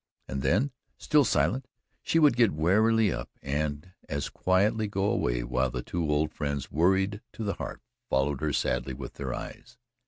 And then, still silent, she would get wearily up and as quietly go away while the two old friends, worried to the heart, followed her sadly with their eyes.